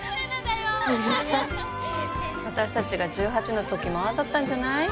ようるさっ私達が１８の時もああだったんじゃない？